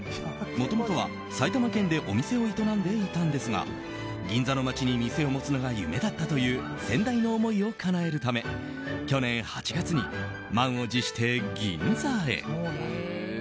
もともとは埼玉県でお店を営んでいたんですが銀座の街に店を持つのが夢だったという先代の思いをかなえるため去年８月に満を持して銀座へ。